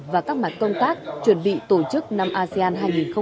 và các mặt công tác chuẩn bị tổ chức năm asean hai nghìn hai mươi